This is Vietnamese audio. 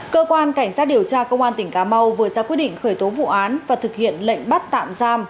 cơ quan cảnh sát điều tra công an tỉnh cà mau vừa ra quyết định khởi tố vụ án và thực hiện lệnh bắt tạm giam